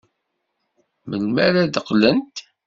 Melmi ara d-qqlent?